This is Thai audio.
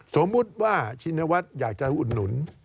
สมมุติว่าชินวัฒน์อยากจะอุดหนุน